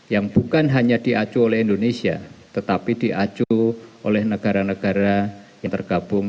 yang bukan hanya diacu oleh indonesia tetapi diacu oleh negara negara yang tergabung